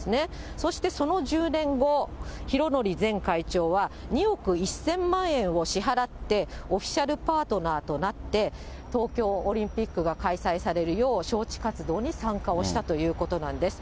そしてその１０年後、拡憲前会長は２億１０００万円を支払ってオフィシャルパートナーとなって、東京オリンピックが開催されるよう、招致活動に参加をしたということなんです。